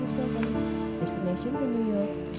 sampai di amerika aku mau lupain kamu cleo